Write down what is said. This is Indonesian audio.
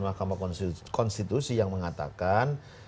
mahkamah konstitusi yang mengatakan